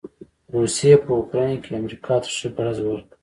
روسې په يوکراين کې امریکا ته ښه ګړز ورکړ.